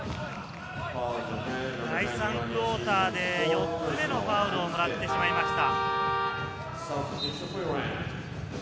第３クオーターで４つ目のファウルをもらってしまいました。